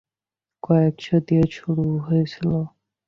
কয়েকশো দিয়ে শুরু হয়েছিল।